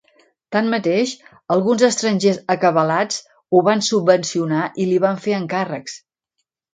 Tanmateix, alguns estrangers acabalats ho van subvencionar i li van fer encàrrecs.